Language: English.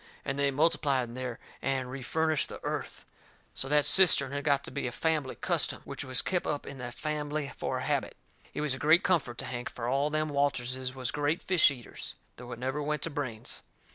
And they multiplied in there and refurnished the earth. So that cistern had got to be a fambly custom, which was kep' up in that fambly for a habit. It was a great comfort to Hank, fur all them Walterses was great fish eaters, though it never went to brains.